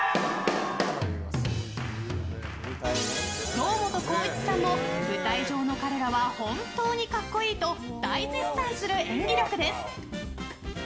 堂本光一さんも舞台上の彼らは本当に格好いいと大絶賛する演技力です。